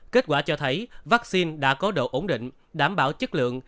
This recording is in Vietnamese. kết quả cho thấy vaccine đã có độ ổn định đảm bảo chất lượng